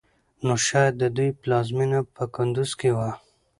نو شايد د دوی پلازمېنه په کندوز کې وه